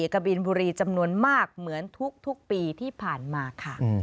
กะบินบุรีจำนวนมากเหมือนทุกปีที่ผ่านมาค่ะ